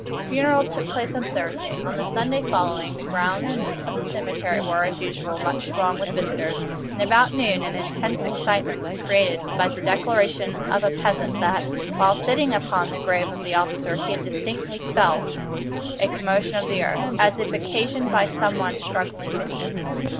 His funeral took place on Thursday. On the Sunday following, the grounds of the cemetery were, as usual, much thronged with visitors, and about noon an intense excitement was created by the declaration of a peasant that, while sitting upon the grave of the officer, he had distinctly felt a commotion of the earth, as if occasioned by some one struggling beneath.